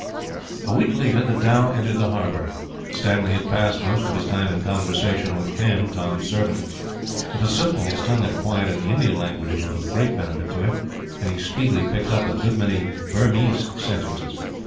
A week later the dhow entered the harbour. Stanley had passed most of his time in conversation with Khyen, Tom's servant. The facility his tongue had acquired in the Indian languages was of great benefit to him, and he speedily picked up a good many Burmese sentences.